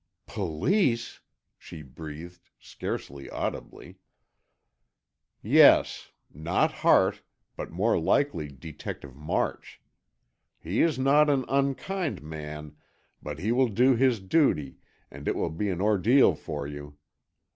"Police!" she breathed, scarcely audibly. "Yes; Not Hart, but more likely Detective March. He is not an unkind man, but he will do his duty, and it will be an ordeal for you.